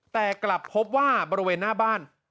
แต่กลับพบว่าบริเวณหน้าบ้าน